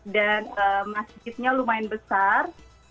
dan masjidnya lumayan besar